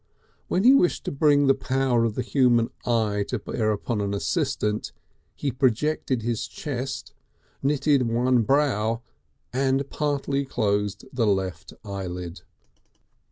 When he wished to bring the power of the human eye to bear upon an assistant, he projected his chest, knitted one brow and partially closed the left eyelid.